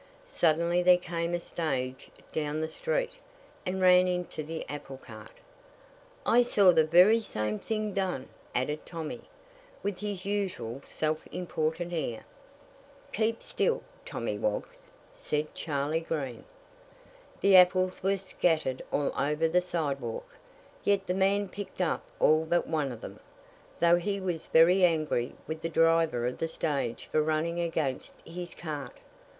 Suddenly there came a stage down the street, and ran into the apple cart." "I saw the very same thing done," added Tommy, with his usual self important air. "Keep still, Tom Woggs," said Charley Green. "The apples were scattered all over the sidewalk; yet the man picked up all but one of them, though he was very angry with the driver of the stage for running against his cart."